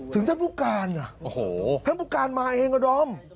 ถึงท่านปุการท่านปุการมาเองก็ดอม